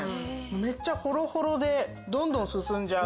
めっちゃホロホロでどんどん進んじゃう。